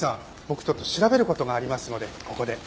僕ちょっと調べる事がありますのでここで。